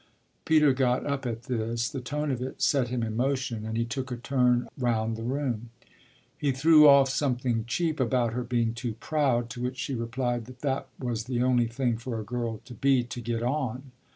Peter got up at this; the tone of it set him in motion and he took a turn round the room. He threw off something cheap about her being too proud; to which she replied that that was the only thing for a girl to be to get on.